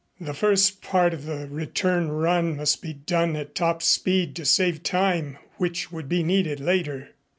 The first part of the return run must be done at top speed to save time which would be needed later.